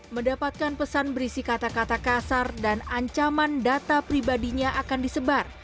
mendapatkan pesan berisi kata kata kasar dan ancaman data pribadinya akan disebar